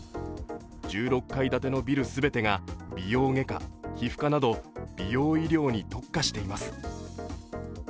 １６階建てのビル全てが美容外科、皮膚科など、美容医療に特化しています。